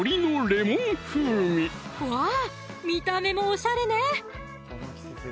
ぞうわぁ見た目もおしゃれね